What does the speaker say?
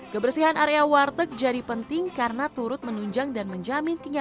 kebersihan area warteg jadi penting karena turut menunjang dan menjamin kenyamanan